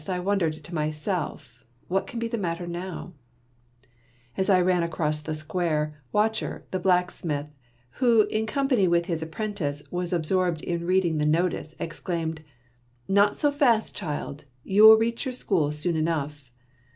I wondered to myself, ''What can be the fnattW rtdv/.?' •'•;' As I ran across the square, Wachter, the black smith, w=ho7 in company with his apprerrtiee, was absorbed in reading the notice, «5«4aimed,— Not so fast, child ! You will reach your school soon enough